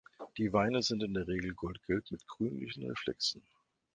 Die Weine sind in der Regel goldgelb mit grünlichen Reflexen.